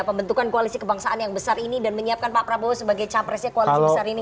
pembentukan koalisi kebangsaan yang besar ini dan menyiapkan pak prabowo sebagai capresnya koalisi besar ini